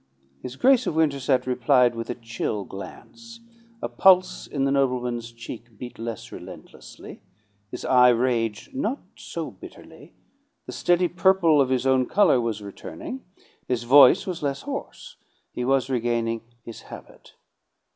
His Grace of Winterset replied with a chill glance; a pulse in the nobleman's cheek beat less relentlessly; his eye raged not so bitterly; the steady purple of his own color was returning; his voice was less hoarse; he was regaining his habit.